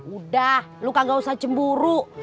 udah lu kagak usah cemburu